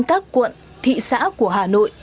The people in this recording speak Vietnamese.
các quận thị xã của hà nội